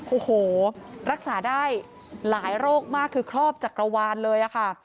โอ้โหรักษาได้หลายโรคมากคือครอบจักรวาลเลยค่ะ